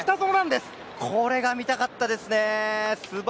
これが見たかったですね。